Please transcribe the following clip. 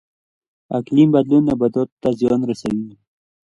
اقلیم بدلون نباتاتو ته زیان رسوي